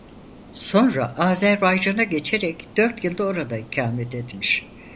Sonra Azerbaycan'a geçerek dört yıl da orada ikamet etmiş.